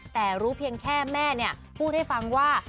แต่รู้เพียงแค่แม่พูดให้ฟังว่า